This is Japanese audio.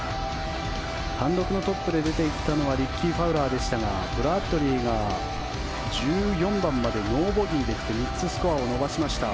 単独のトップで出ていったのはリッキー・ファウラーでしたがブラッドリーが１４番までノーボギーで来て３つスコアを伸ばしました。